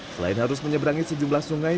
selain harus menyeberangi sejumlah sungai